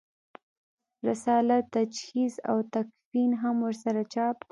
رساله تجهیز او تکفین هم ورسره چاپ ده.